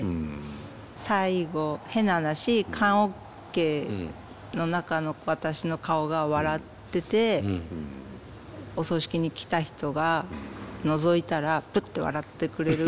最後変な話棺おけの中の私の顔が笑っててお葬式に来た人がのぞいたらプッて笑ってくれるぐらい。